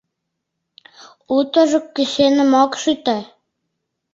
— Утыжо кӱсеным ок шӱтӧ».